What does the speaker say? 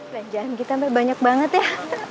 belanjaan kita banyak banget ya